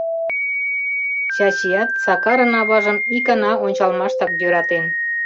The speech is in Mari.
Чачият Сакарын аважым икана ончалмаштак йӧратен.